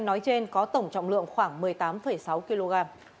nói trên có tổng trọng lượng khoảng một mươi tám sáu kg